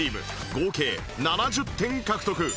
合計７０点獲得